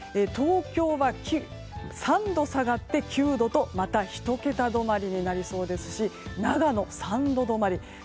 東京は３度下がって９度とまた１桁止まりになりそうですし長野、３度止まり。